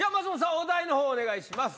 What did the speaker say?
お題のほうお願いします。